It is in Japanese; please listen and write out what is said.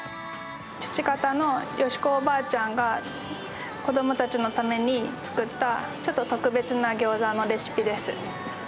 父方の吉子おばあちゃんが、子どもたちのために作った、ちょっと特別なギョーザのレシピ